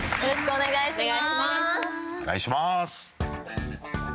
お願いします。